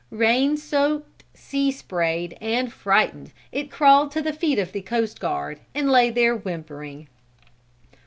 Rain soaked, sea sprayed and frightened it crawled to the feet of the coast guard, and lay there whimpering.